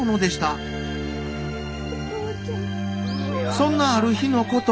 そんなある日のこと。